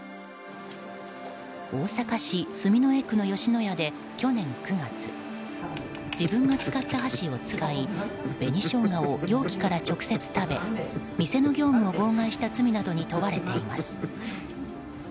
大阪市住之江区の吉野家で去年９月自分が使った箸を使い紅ショウガを容器から直接食べ店の業務を妨害した罪などに問われています。